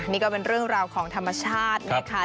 นี่ก็เป็นเรื่องราวของธรรมชาตินะคะ